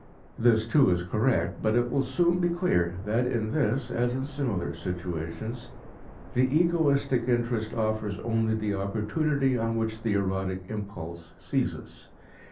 This, too, is correct, but it will soon be clear that in this, as in similar situations, the egoistic interest offers only the opportunity upon which the erotic impulse seizes.